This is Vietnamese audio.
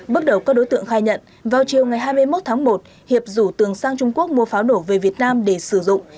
bước đầu các đối tượng khai nhận vào chiều ngày hai mươi một tháng một hiệp rủ tường sang trung quốc mua pháo nổ về việt nam để sử dụng